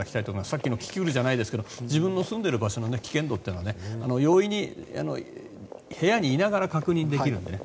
さっきのキキクルじゃないですけど自分の住んでいる場所の危険度というのは容易に部屋にいながら確認できるのでね。